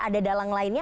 ada dalang lainnya